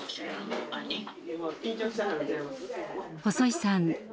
細井さん